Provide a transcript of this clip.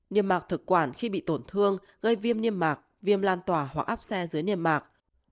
niêm mạc thực quản khi bị tổn thương gây viêm niêm mạc viêm lan tỏa hoặc áp xe dưới niêm mạc